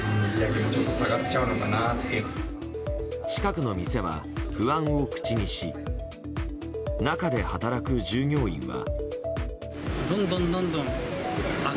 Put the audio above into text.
近くの店は不安を口にし中で働く従業員は。